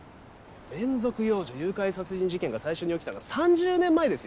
連続幼女誘拐殺人事件が最初に起きたのは３０年前ですよ？